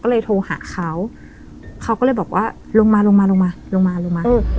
ก็เลยโทรหาเขาเขาก็เลยบอกว่าลงมาลงมาลงมาลงมาลงมาลงมา